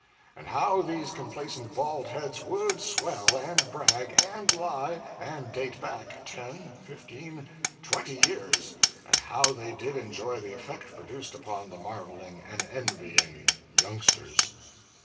And how these complacent baldheads would swell, and brag, and lie, and date back ten, fifteen, twenty years, and how they did enjoy the effect produced upon the marveling and envying youngsters!